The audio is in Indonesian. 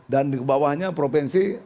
dan di bawahnya provinsi